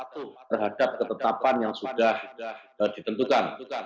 terhadap ketetapan yang sudah ditentukan